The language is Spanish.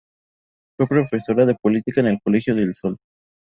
Fue Profesora de Política en el Colegio del Sol.